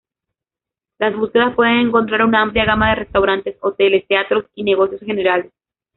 Las búsquedas pueden encontrar una amplia gama de restaurantes, hoteles, teatros y negocios generales.